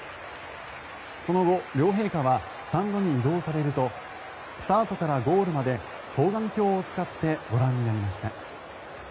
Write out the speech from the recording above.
その後、両陛下はスタンドに移動されるとスタートからゴールまで双眼鏡を使ってご覧になりました。